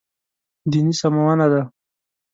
دیني سمونه دی.